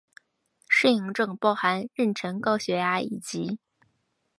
适应症包含妊娠高血压以及。